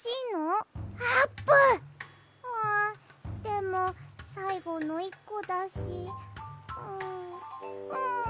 んでもさいごの１こだしんん。